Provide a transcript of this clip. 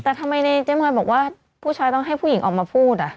แต่ทำไมในเจ๊มอยบอกว่าผู้ชายต้องให้ผู้หญิงออกมาพูด